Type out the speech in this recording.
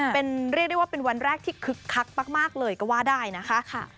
เป็นเรียกได้ว่าเป็นวันแรกที่คึกคักมากเลยก็ว่าได้นะคะ